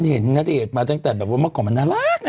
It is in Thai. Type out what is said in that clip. น้าเดชน์มาตั้งแต่ว่าเมื่อก่อนมันน่ารัก